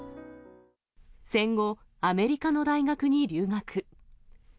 戦後、アメリカの大学に留学。